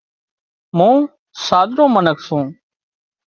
مون سادرو منک سُون